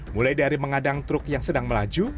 mulai dari mengadang truk yang sedang melaju